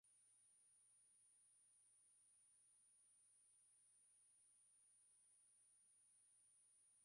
wanashambuliwa na marekani australia na mataifa mengine